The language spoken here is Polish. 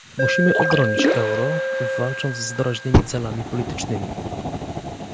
Musimy obronić euro, walcząc z doraźnymi celami politycznymi